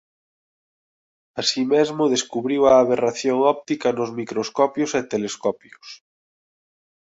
Así mesmo describiu a aberración óptica nos microscopios e telescopios.